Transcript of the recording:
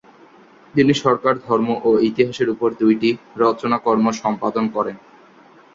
তিনি সরকার, ধর্ম ও ইতিহাসের উপর দুইটি রচনাকর্ম সম্পাদন করেন।